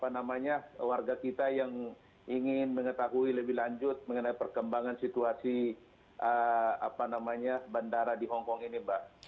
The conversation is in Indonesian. namanya warga kita yang ingin mengetahui lebih lanjut mengenai perkembangan situasi bandara di hongkong ini mbak